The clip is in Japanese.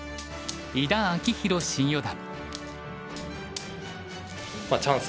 井田明宏新四段。